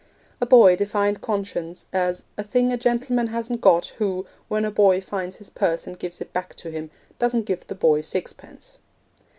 A boy defined conscience as 'a thing a gentleman hasn't got, who, when a boy finds his purse and gives it back to him, doesn't give the boy sixpence.'